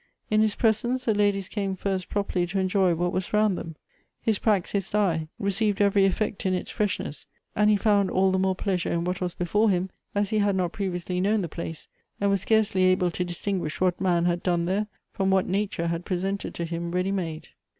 In his presence, the ladies came first jiroperly to enjoy what was round them. His practised eye received every Elective Affinities. 245 effect in its freshness, and he found all the move ])leasiire in what was before him, as he had not previously known the place, and was scarcely able to distinguish what man had done there from what nature had presented to him ready made.